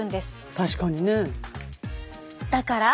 確かにねえ。